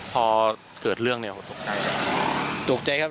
พอเกิดเรื่องนี่ผมตกใจครับ